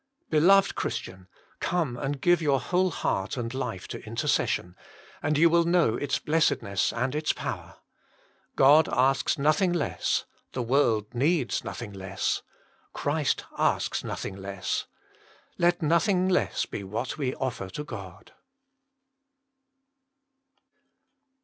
Beloved Christian ! come and give your whole heart and life to intercession, and you will know its blessedness and its power. God asks nothing less ; the world needs nothing less ; Christ asks nothing less; let nothing less be what we oiler to God.